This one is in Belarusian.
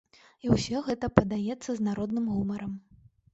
І ўсё гэта падаецца з народным гумарам.